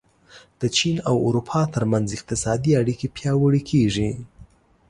د چین او اروپا ترمنځ اقتصادي اړیکې پیاوړې کېږي.